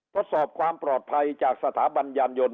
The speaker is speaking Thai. ทดสอบความปลอดภัยจากสถาบันยานยนต